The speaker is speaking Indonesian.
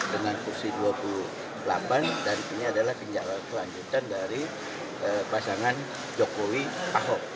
dengan kursi dua puluh delapan dan ini adalah kelanjutan dari pasangan jokowi ahok